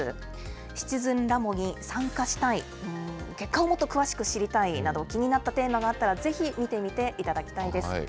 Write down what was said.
シチズンラボに参加したい、結果をもっと詳しく知りたいなど、気になったテーマがあったら、ぜひ見てみていただきたいです。